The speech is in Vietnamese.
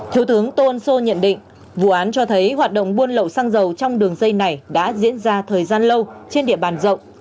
thiếu tướng tô ân sô nhận định vụ án cho thấy hoạt động buôn lậu xăng dầu trong đường dây này đã diễn ra thời gian lâu trên địa bàn rộng